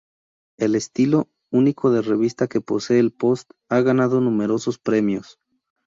El estilo único de revista que posee el "Post" ha ganado numerosos premios.